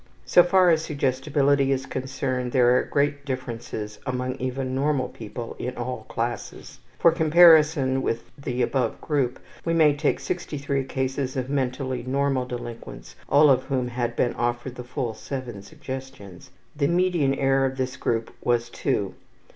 So far as suggestibility is concerned, there are great differences among even normal people in all classes. For comparison with the above group, we may take 63 cases of mentally normal delinquents, all of whom had been offered the full 7 suggestions. The median error of this group was two.